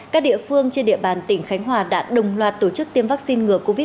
các địa phương trên địa bàn tỉnh khánh hòa đã đồng loạt tổ chức tiêm vaccine ngừa covid một mươi chín